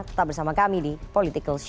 tetap bersama kami di political show